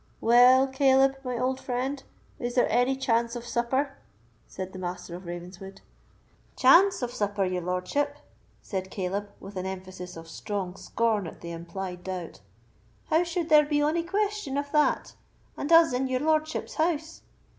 "Well, Caleb, my old friend, is there any chance of supper?" said the Master of Ravenswood. "Chance of supper, your lordship?" said Caleb, with an emphasis of strong scorn at the implied doubt. "How should there be ony question of that, and us in your lordship's house?